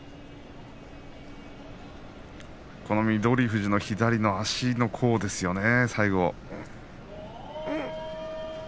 富士の左の足の甲ですよね。